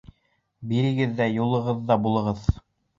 Бирегеҙ ҙә юлығыҙҙа булығыҙ.